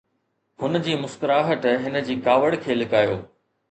هن جي مسڪراهٽ هن جي ڪاوڙ کي لڪايو